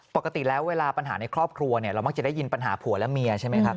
ปกติแล้วเวลาปัญหาในครอบครัวเนี่ยเรามักจะได้ยินปัญหาผัวและเมียใช่ไหมครับ